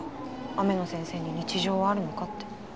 雨野先生に日常はあるのかって。